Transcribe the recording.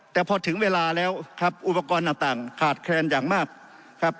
แต่พอถึงเวลาแล้วครับอุปกรณ์ต่างขาดแคลนอย่างมากครับ